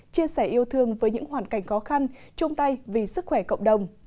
chia sẻ yêu thương với những hoàn cảnh khó khăn chung tay vì sức khỏe cộng đồng